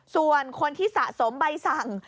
ส่วนคนที่สะสมใบสั่ง